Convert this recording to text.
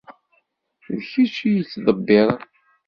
D kečč i yettḍebbiren.